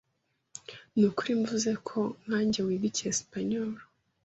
Nukuri mvuze ko, nkanjye, wiga icyesipanyoli?